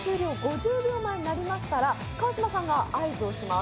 ５０秒前になりましたら川島さんが合図をします。